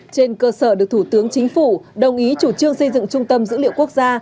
trên cơ sở được thủ tướng chính phủ đồng ý chủ trương xây dựng trung tâm dữ liệu quốc gia